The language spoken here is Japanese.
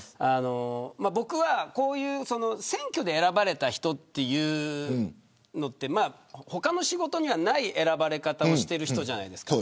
僕は、こういう選挙で選ばれた人というのは他の仕事にはない選ばれ方をしている人じゃないですか。